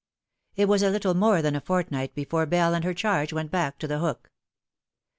It was a little more than a fortnight before Bell and her charge went back to The Hook.